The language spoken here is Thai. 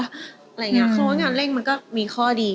อะไรอย่างนี้เขาว่างานเร่งมันก็มีข้อดี